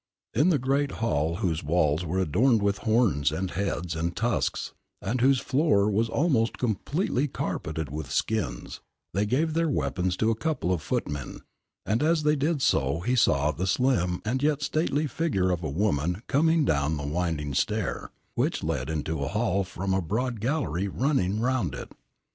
In the great hall whose walls were adorned with horns and heads and tusks, and whose floor was almost completely carpeted with skins, they gave their weapons to a couple of footmen; and as they did so he saw the slim and yet stately figure of a woman coming down the winding stair which led into the hall from a broad gallery running round it.